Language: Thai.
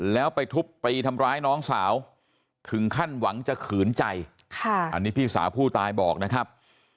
แล้วไปทุบตีทำร้ายน้องสาวถึงขั้นหวังจะขืนใจอันนี้พี่สาวผู้ตายบอกนะครับ